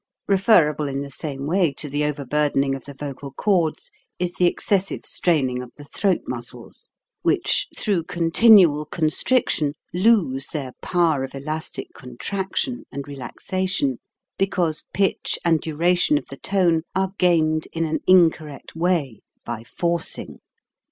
Referable in the same way to the overburdening of the vocal cords is the excessive straining of the throat muscles, which through continual constriction lose their power of elastic contraction and relaxation because pitch and duration of the tone are gained in an incorrect way, by forcing.